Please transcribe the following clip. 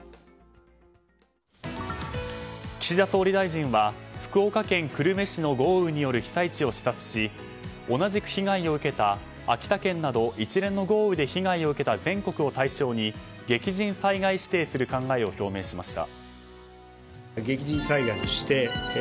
岸田総理大臣は福岡県久留米市の豪雨による被災地を視察し同じく被害を受けた秋田県など一連の豪雨で被害を受けた全国を対象に激甚災害指定する考えを表明しました。